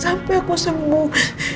sampai aku sembuh